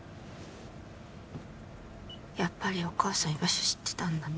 やっぱりお母さん居場所知ってたんだね